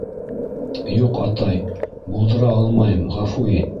- Юҡ, атай, булдыра алмайым, ғәфү ит.